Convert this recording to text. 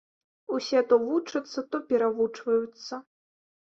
Усе то вучацца, то перавучваюцца.